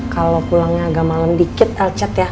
kalau pulangnya agak malam sedikit el chat ya